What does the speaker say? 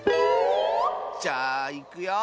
じゃあいくよ！